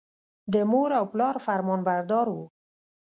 د مور او پلار فرمانبردار و.